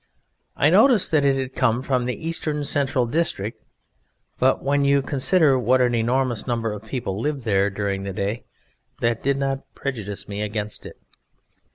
I noticed that it had come from the eastern central district, but when you consider what an enormous number of people live there during the day, that did not prejudice me against it.